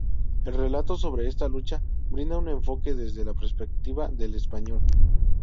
El relato sobre esta lucha brinda un enfoque desde la perspectiva del español.